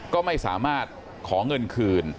ก็ไม่สามารถขอเงินคืน